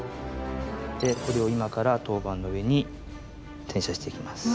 でこれを今から陶板の上に転写していきます。